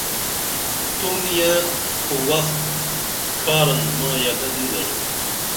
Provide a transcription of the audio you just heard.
تو نِیہ خو وخ ڇھارن ماں یہ ادت نی درو